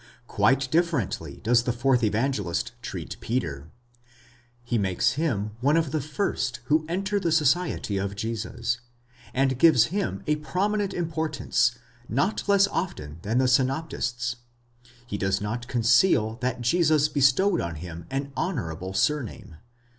Quite differently does the fourth Evangelist treat Peter. He makes him one of the first who enter the society of Jesus, and gives him a prominent im portance not less often than the synoptists; he does not conceal that Jesus bestowed on him an honourable surname (i.